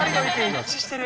一致してる。